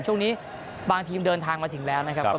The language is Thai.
ช่วงนี้บางทีมเดินทางมาถึงแล้วนะครับ